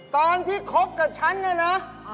ตอนที่คบกับฉันเนี่ยนะ